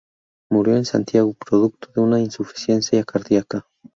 Murió en Santiago, producto de una insuficiencia cardíaca.